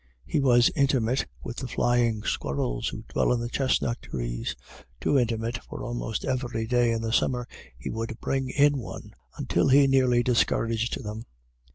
He was intimate with the flying squirrels who dwell in the chestnut trees, too intimate, for almost every day in the summer he would bring in one, until he nearly discouraged them.